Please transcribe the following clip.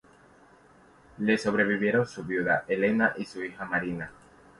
Le sobrevivieron su viuda Elena y su hija Marina.